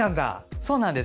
そうなんです。